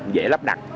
dễ lắp đặt